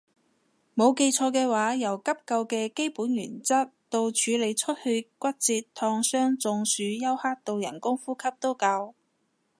冇記錯嘅話由急救嘅基本原則到處理出血骨折燙傷中暑休克到人工呼吸都教